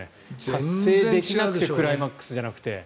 達成できなくてクライマックスじゃなくて。